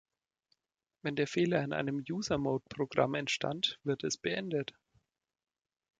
Wenn der Fehler in einem User-Mode-Programm entstand, wird es beendet.